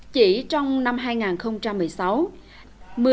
chỉ trong năm hai nghìn một mươi năm lý sơn đã đặt tổng thể phát triển kinh tế xã hội